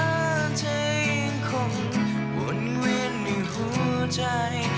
เธอยังคงวนเวียนในหัวใจ